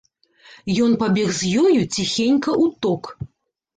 Ён пабег з ёю ціхенька ў ток.